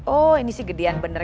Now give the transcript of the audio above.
oh ini sih gedean bener